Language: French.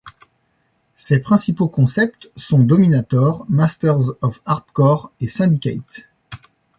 Ses principaux concepts sont Dominator, Masters of Hardcore et Syndicate.